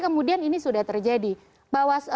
kemudian ini sudah terjadi bawaslu